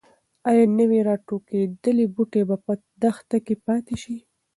ایا د نوي راټوکېدلي بوټي به په دښته کې پاتې شي؟